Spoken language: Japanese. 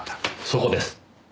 そこです。